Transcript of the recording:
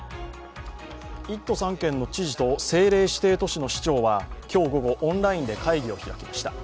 １都３県の知事と政令指定都市の市長は今日午後、オンラインで会議を開きました。